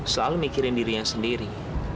selalu mikirin diri yang sendiri